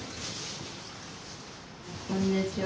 こんにちは。